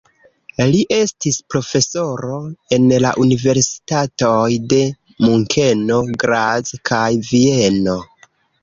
Li estis profesoro en la universitatoj de Munkeno, Graz kaj Vieno.